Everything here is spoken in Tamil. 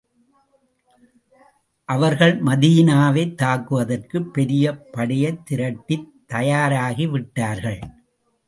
அவர்கள் மதீனாவைத் தாக்குவதற்குப் பெரிய படையைத் திரட்டித் தயாராகி விட்டார்கள்.